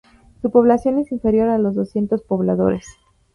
Su población es inferior a los doscientos pobladores.